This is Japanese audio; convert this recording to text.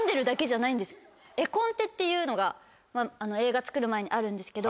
っていうのが映画作る前にあるんですけど。